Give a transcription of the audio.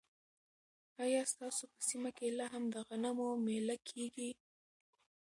ایا ستاسو په سیمه کې لا هم د غنمو مېله کیږي؟